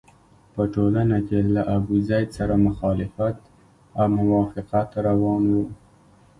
په ټولنه کې له ابوزید سره مخالفت او موافقت روان وو.